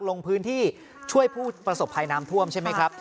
ลงพื้นที่ช่วยผู้ประสบภัยน้ำท่วมใช่ไหมครับ